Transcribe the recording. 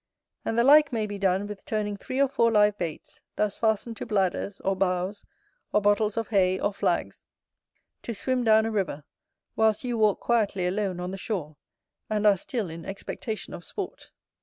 And the like may be done with turning three or four live baits, thus fastened to bladders, or boughs, or bottles of hay or flags, to swim down a river, whilst you walk quietly alone on the shore, and are still in expectaion of sport.